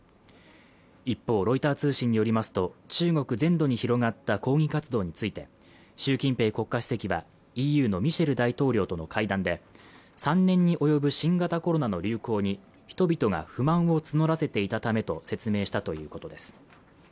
一方ロイター通信によりますと中国全土に広がった抗議活動について習近平国家主席はＥＵのミシェル大統領との会談で３年に及ぶ新型コロナの流行に人々が不満を募らせていたためと説明したということです